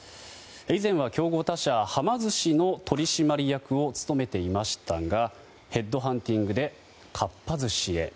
以前は競合他社、はま寿司の取締役を務めていましたがヘッドハンティングでかっぱ寿司へ。